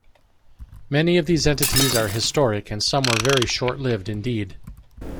Many of these entities are historic and some were very short-lived indeed.